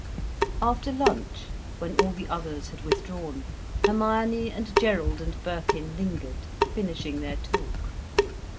After lunch, when all the others had withdrawn, Hermione and Gerald and Birkin lingered, finishing their talk.